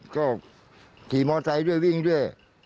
ก็ขี่มอไซค์ด้วยวิ่งด้วย